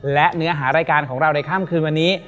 และเนื้อหารายการของเราในค่ำคืนวันนี้